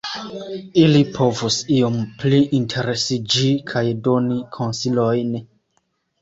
Ili povus iom pli interesiĝi kaj doni konsilojn.